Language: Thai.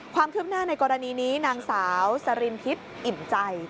ความคืบหน้าในกรณีนี้นางสาวสรินทิพย์อิ่มใจ